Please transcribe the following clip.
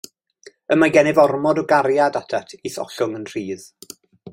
Y mae gennyf ormod o gariad atat i'th ollwng yn rhydd.